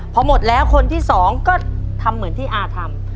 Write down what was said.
พอหมดแล้วคนที่สองก็ทำเหมือนที่อาทำ